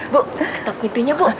bu ketuk pintunya bu